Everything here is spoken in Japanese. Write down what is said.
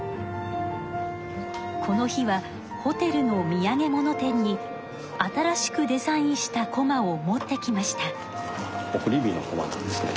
この日はホテルのみやげもの店に新しくデザインしたこまを持ってきました。